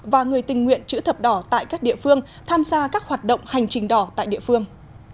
và người tình nguyện chữ thập đỏ tại các địa phương tham gia các hoạt động hành trình đỏ tại địa phương